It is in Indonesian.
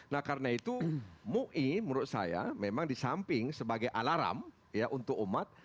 nah karena itu mui menurut saya memang di samping sebagai alarm ya untuk umat